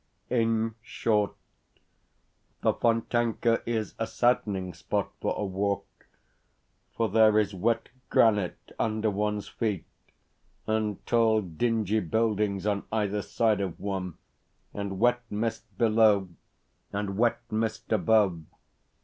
In short, the Fontanka is a saddening spot for a walk, for there is wet granite under one's feet, and tall, dingy buildings on either side of one, and wet mist below and wet mist above.